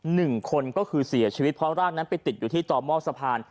หนึ่งคนก็คือเสียชีวิตเพราะร่างนั้นไปติดอยู่ที่ต่อหม้อสะพาน